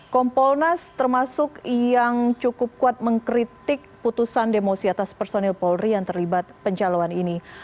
kompolnas termasuk yang cukup kuat mengkritik putusan demosi atas personil polri yang terlibat pencaloan ini